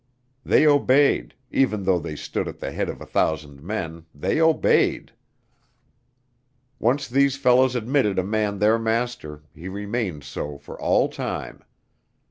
They obeyed even though they stood at the head of a thousand men, they obeyed. Once these fellows admitted a man their master, he remained so for all time.